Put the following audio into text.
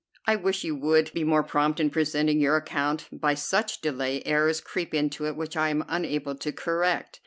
I wish you would be more prompt in presenting your account. By such delay errors creep into it which I am unable to correct."